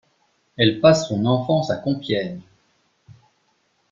Elle passe son enfance à Compiègne.